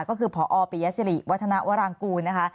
ก็คือพอปิยสิริวัฒนาวรางกูลนะคะ